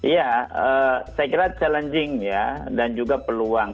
ya saya kira challenging ya dan juga peluang